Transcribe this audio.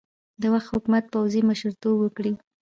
د وخت حکومت پوځي مشرتوب ورکړي.